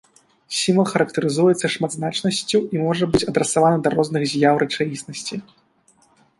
Сімвал характарызуецца шматзначнасцю і можа быць адрасаваны да розных з'яў рэчаіснасці.